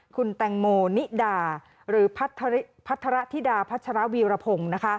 คุณแตงโมนิดาหรือพัทรธิดาพัชรวีรพงศ์